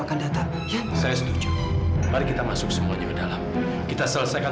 aduh ibu mau ngehiburkan